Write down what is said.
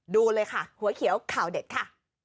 ดูเลยค่ะหัวเขียวข่าวเด็ดค่ะ